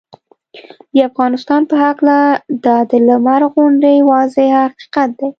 د افغانستان په هکله دا د لمر غوندې واضحه حقیقت دی